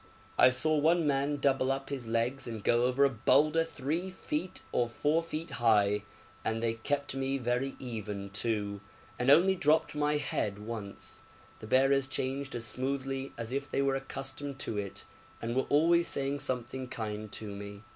I saw one man double up his legs and go over a boulder 3 feet or 4 feet high; and they kept me very even too, and only dropped my head once; the bearers changed as smoothly as if they were accustomed to it, and were always saying something kind to me.